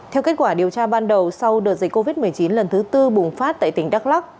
theo kết quả điều tra ban đầu sau đợt dịch covid một mươi chín lần thứ tư bùng phát tại tỉnh đắk lắc